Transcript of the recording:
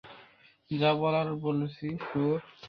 যা বলার বলেছি, শুয়োর!